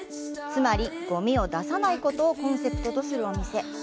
つまり、ごみを出さないことをコンセプトとするお店。